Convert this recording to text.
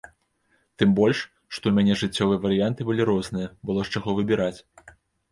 Тым больш, што ў мяне жыццёвыя варыянты былі розныя, было з чаго выбіраць.